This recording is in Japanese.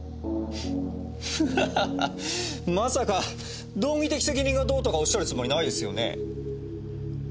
ハハハハまさか道義的責任がどうとかおっしゃるつもりないですよね？